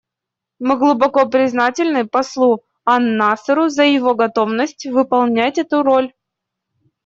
Мы глубоко признательны послу ан-Насеру за его готовность выполнять эту роль.